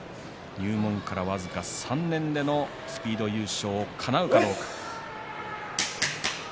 入門から僅か３年でのスピード優勝、かなうかどうか。